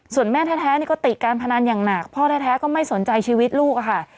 ส่วนแม่แท้นี่ก็ติดการพนันอย่างหนักพ่อแท้ก็ไม่สนใจชีวิตลูกค่ะ